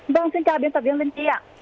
vâng xin chào biên tập viên linh chi ạ